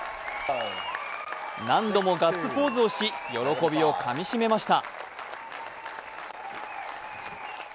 何度もガッツポーズをし、喜びをかみ締めました。